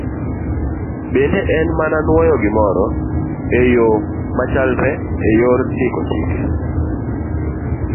Bende en mana nwoyo gimoro e yo machalre e yor ndiko chike.